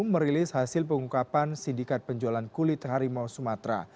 merilis hasil pengungkapan sindikat penjualan kulit harimau sumatera